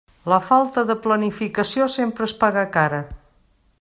La falta de planificació sempre es paga cara.